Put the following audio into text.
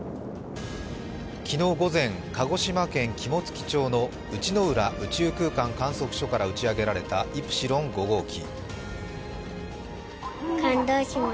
昨日午前、鹿児島県肝付町の内之浦宇宙空間観測所から打ち上げられたイプシロン５号機。